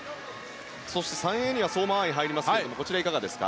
そして３位には相馬あいが入りましたがこちら、いかがですか？